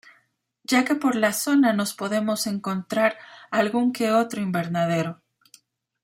Ya que por la zona nos podemos encontrar algún que otro Invernadero.